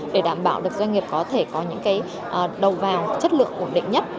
để đảm bảo được doanh nghiệp có thể có những cái đầu vàng chất lượng ổn định nhất